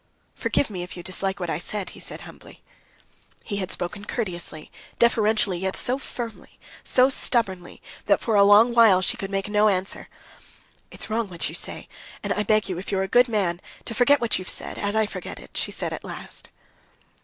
"Forgive me, if you dislike what I said," he said humbly. He had spoken courteously, deferentially, yet so firmly, so stubbornly, that for a long while she could make no answer. "It's wrong, what you say, and I beg you, if you're a good man, to forget what you've said, as I forget it," she said at last.